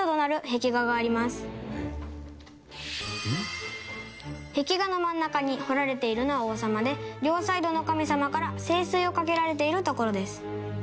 環子ちゃん：壁画の真ん中に彫られているのは王様で両サイドの神様から聖水をかけられているところです。